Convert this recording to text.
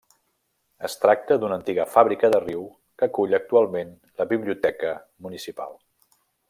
Es tracta d'una antiga fàbrica de riu, que acull actualment la biblioteca municipal.